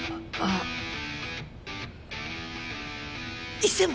１０００万！